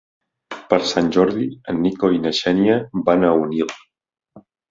Per Sant Jordi en Nico i na Xènia van a Onil.